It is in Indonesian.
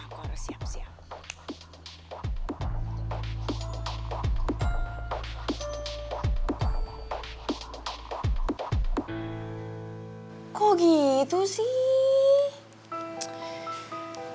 kok gitu sih